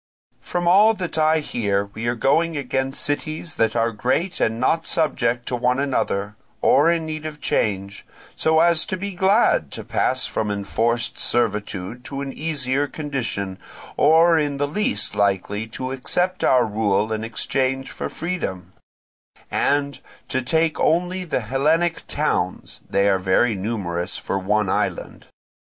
From all that I hear we are going against cities that are great and not subject to one another, or in need of change, so as to be glad to pass from enforced servitude to an easier condition, or in the least likely to accept our rule in exchange for freedom; and, to take only the Hellenic towns, they are very numerous for one island.